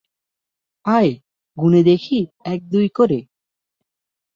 আয় গুনে দেখি এক-দুই করে!